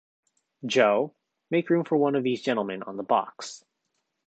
Joe, make room for one of these gentlemen on the box.